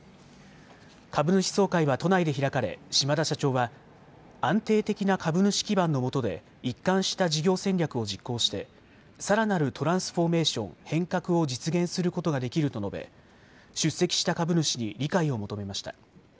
株主総会は都内で開かれ島田社長は安定的な株主基盤のもとで一貫した事業戦略を実行してさらなるトランスフォーメーション・変革を実現することができると述べ出席した株主に理解を求めました。